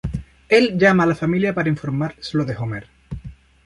Él llama a la familia para informarles lo de Homer.